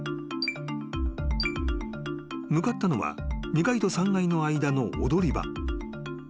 ［向かったのは２階と３階の間の踊り場］